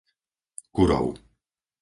Kurov